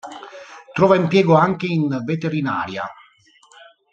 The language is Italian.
Trova impiego anche in veterinaria.